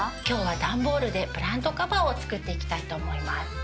今日は段ボールでプラントカバーを作っていきたいと思います。